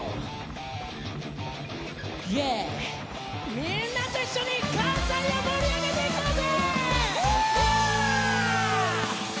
みんなで一緒に関西を盛り上げていこうぜ。